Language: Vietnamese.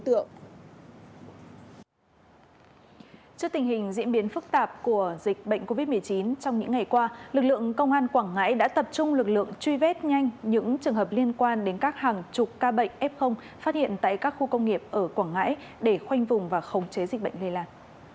trước tình hình diễn biến phức tạp của dịch bệnh covid một mươi chín trong những ngày qua lực lượng công an quảng ngãi đã tập trung lực lượng truy vết nhanh những trường hợp liên quan đến các hàng chục ca bệnh f phát hiện tại các khu công nghiệp ở quảng ngãi để khoanh vùng và khống chế dịch bệnh lây lan